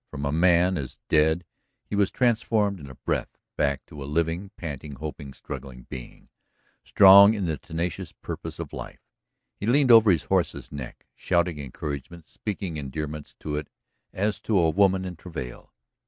From a man as dead he was transformed in a breath back to a living, panting, hoping, struggling being, strong in the tenacious purpose of life. He leaned over his horse's neck, shouting encouragement, speaking endearments to it as to a woman in travail.